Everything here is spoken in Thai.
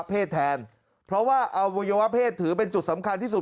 เพศแทนเพราะว่าอวัยวะเพศถือเป็นจุดสำคัญที่สุด